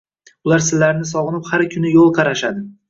Ular silarni sog’inib har kuni yo’l qarashadi.